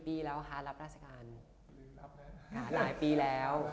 พอดียกย้ายมาที่หน่วยศึกซึ่งมันชอบคล้องกับตัวเราอยู่แล้ว